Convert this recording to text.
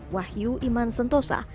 wahyu iman sentosa